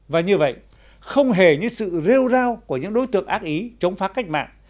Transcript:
và như vậy không hề như sự rêu rao của những đối tượng ác ý chống phá cách mạng